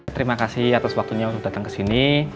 terima kasih atas waktunya untuk datang ke sini